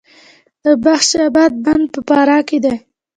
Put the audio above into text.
د بخش اباد بند په فراه کې دی